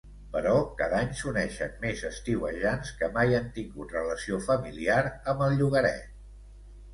Però cada any s'uneixen més estiuejants que mai han tingut relació familiar amb el llogaret.